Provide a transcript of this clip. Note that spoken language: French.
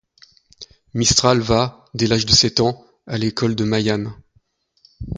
Mistral va, dès l'âge de sept ans, à l'école de Maillane.